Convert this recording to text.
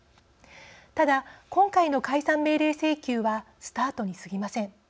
ただ今回の解散命令請求はスタートにすぎません。